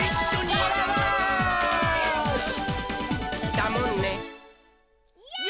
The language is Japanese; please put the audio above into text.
だもんね。